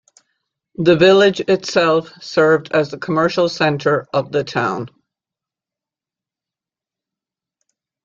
The village itself served as the commercial center of the town.